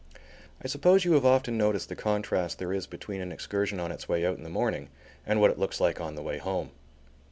I suppose you have often noticed the contrast there is between an excursion on its way out in the morning and what it looks like on the way home.